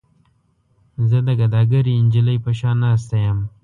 زه د ګداګرې نجلۍ په شان ناسته یم.